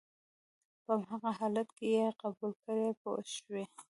په هماغه حالت کې یې قبول کړئ پوه شوې!.